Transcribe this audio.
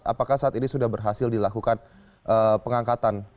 apakah saat ini sudah berhasil dilakukan pengangkatan